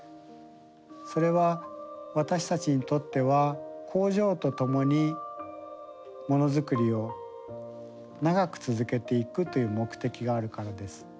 それは私たちにとっては工場と共にものづくりを長く続けていくという目的があるからです。